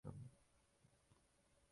ところが素朴な訳者は原文に忠実なあまり、